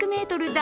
大